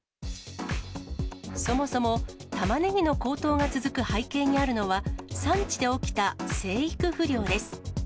そもそもたまねぎの高騰が続く背景にあるのは、産地で起きた生育不良です。